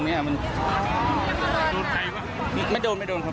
ไม่มีผิดไทยนะครับ